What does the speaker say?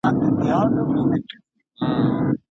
د لاس لیکنه د ښوونځیو تر ټولو مقدس فعالیت دی.